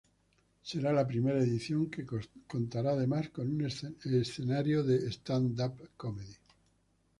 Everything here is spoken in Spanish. Será la primera edición que contará además con un escenario de Stand up Comedy.